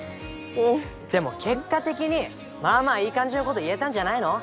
でも結果的にまぁまぁいい感じのこと言えたんじゃないの？